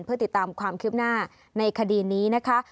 เพื่อติดตามความคืบหน้าในคดีนี้นะคะ